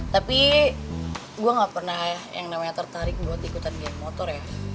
tapi gue gak pernah yang namanya tertarik buat ikutan geng motor ya